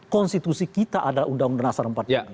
konstitusi kita adalah undang undang dasar empat puluh lima